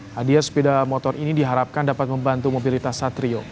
hadiah sepeda motor ini diharapkan dapat membantu mobilitas satrio